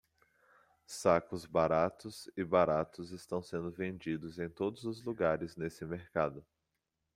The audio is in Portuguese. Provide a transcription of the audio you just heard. Sacos baratos e baratos estão sendo vendidos em todos os lugares neste mercado.